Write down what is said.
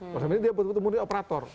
maksudnya dia betul betul murni operator